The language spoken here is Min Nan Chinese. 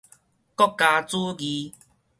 國家主義